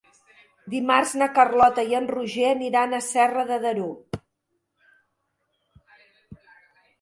Dimarts na Carlota i en Roger aniran a Serra de Daró.